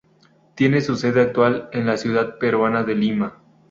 Tiene su sede actual en la ciudad peruana de Lima.